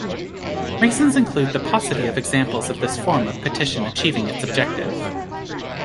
Reasons include the paucity of examples of this form of petition achieving its objective.